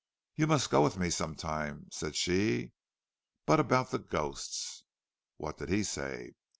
"You must go with me some time," said she. "But about the ghosts—" "What did he say?"